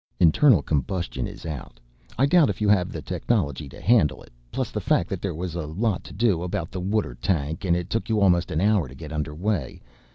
"Internal combustion is out, I doubt if you have the technology to handle it, plus the fact there was a lot to do about the water tank and it took you almost an hour to get under way.